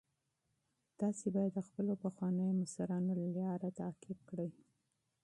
تاسي باید د خپلو پخوانیو مشرانو لار تعقیب کړئ.